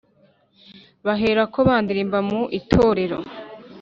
baherako bandirimba mu itorero